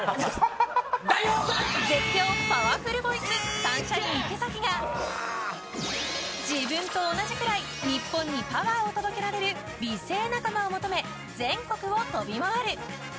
絶叫パワフルボイスサンシャイン池崎が自分と同じくらい日本にパワーを届けられる美声仲間を求め全国を飛び回る！